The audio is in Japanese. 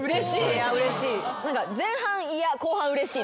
うれしい！